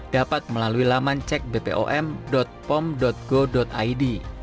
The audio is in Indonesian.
dapat melalui laman cek bpom pom go id